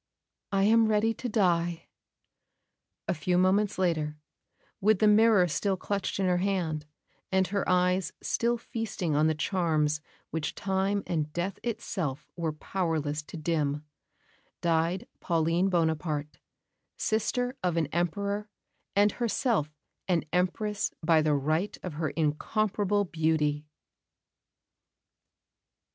I am ready to die." A few moments later, with the mirror still clutched in her hand, and her eyes still feasting on the charms which time and death itself were powerless to dim, died Pauline Bonaparte, sister of an Emperor and herself an Empress by the right of her incomparable beauty.